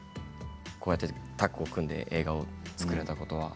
こうやって、タッグを組んで映画を作れたことは。